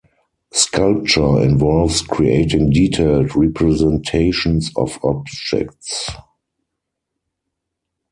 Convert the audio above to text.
Sculpture involves creating detailed representations of objects.